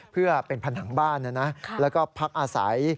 เพื่อเป็นผนังบ้านแล้วก็พักอาศัย